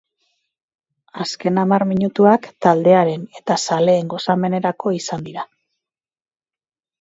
Azken hamar minutuak taldearen eta zaleen gozamenerako izan dira.